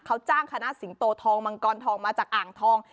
เขาจ้างคณะสิงโตทองมังกรทองมาจากอ่างทอง